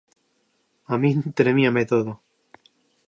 A min tremíame todo.